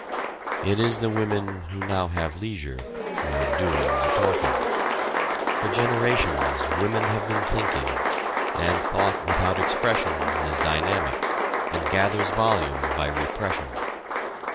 It is the women, who now have leisure, who are doing the talking. For generations women have been thinking and thought without expression is dynamic, and gathers volume by repression.